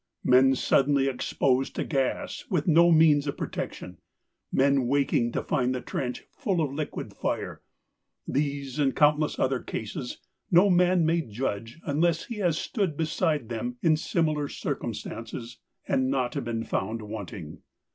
Men suddenly exposed to gas with no means of protection, men waking to find the trench full of liquid fire, these and countless other cases no man may judge unless he has stood beside them in similar circumstances and not been found wanting.